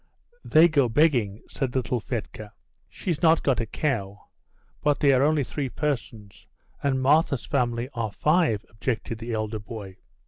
They go begging," said little Fedka. "She's not got a cow, but they are only three persons, and Martha's family are five," objected the elder boy.